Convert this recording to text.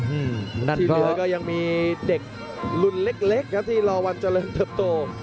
ทีเหลือก็ยังมีเด็กรุ่นเล็กนะที่รอวันเจริญเทิบโต